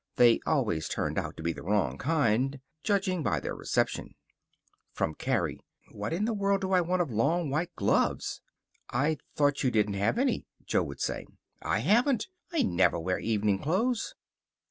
They always turned out to be the wrong kind, judging by their reception. From Carrie, "What in the world do I want of long white gloves!" "I thought you didn't have any," Jo would say. "I haven't. I never wear evening clothes."